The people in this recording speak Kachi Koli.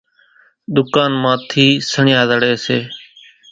ۮُڪانَ مان ٿِي سڻيا زڙيَ سي۔